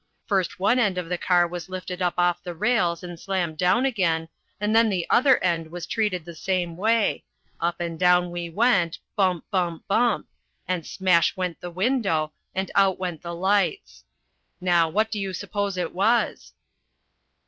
First one end of the car was lifted up off the rails and slammed down again, and then the other end was treated the same way; up and down we went, bump, bump, bump! and smash went the window, and out went the lights. Now, what do you suppose it was?"